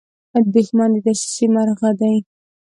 دښمن د دسیسې مرغه دی